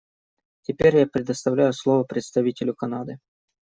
Теперь я предоставляю слово представителю Канады.